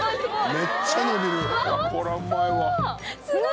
「めっちゃ伸びる！」